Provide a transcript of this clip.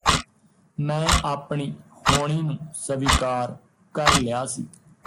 ਮੈਂ ਆਪਣੀ ਹੋਣੀ ਨੂੰ ਸਵੀਕਾਰ ਕਰ ਲਿਆ ਸੀ